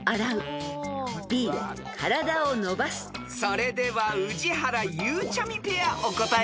［それでは宇治原・ゆうちゃみペアお答えください］